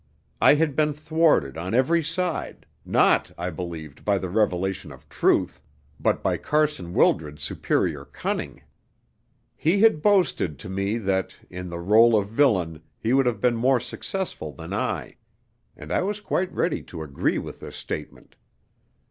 I had been thwarted on every side, not, I believed, by the revelation of truth, but by Carson Wildred's superior cunning. He had boasted to me that, in the rôle of villain, he would have been more successful than I; and I was quite ready to agree with this statement.